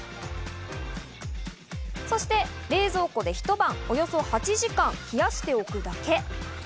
そして冷蔵庫でひと晩およそ８時間冷やしておくだけ。